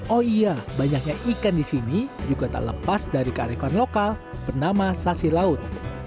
oh iya banyaknya ikan di sini juga tak lepas dari kearifan lokal bernama sasi laut